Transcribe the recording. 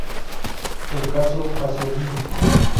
El caso Pasolini.